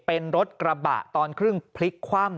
เป็นรถกระบะตอนครึ่งพลิกคว่ำ